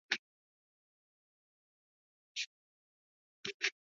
Erabakia epaileen esku uzten duzunean, horrelako gauzak gertatzen dira.